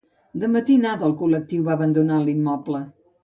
De matinada el col·lectiu va abandonar l'immoble.